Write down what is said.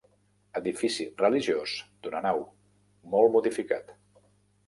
Edifici religiós d'una nau, molt modificat.